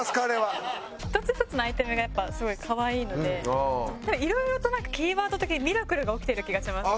一つ一つのアイテムがやっぱすごい可愛いのでいろいろとなんかキーワード的にミラクルが起きてる気がします。